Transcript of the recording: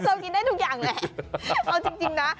เรากินได้ทุกอย่างแหละเอาจริงนะ